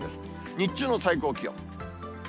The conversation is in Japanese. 日中の最高気温。